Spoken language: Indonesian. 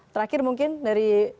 terakhir mungkin dari